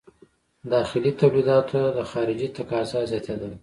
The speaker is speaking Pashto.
له داخلي تولیداتو ته د خارجې تقاضا زیاتېدل.